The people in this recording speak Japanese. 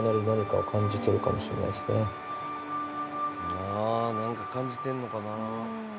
あぁ何か感じてんのかな。